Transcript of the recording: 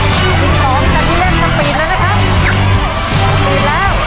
พิมพ์พิมพ์มาช่วยหน่อยก็ได้นะ